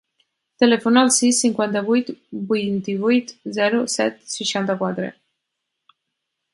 Telefona al sis, cinquanta-vuit, vint-i-vuit, zero, set, seixanta-quatre.